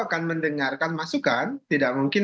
akan mendengarkan masukan tidak mungkin